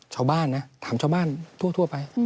ชาวบ้านนะถามชาวบ้านทั่วไป